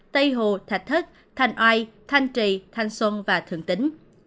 tây hồ thạch thất thành oai thanh trị thanh xuân và thượng tính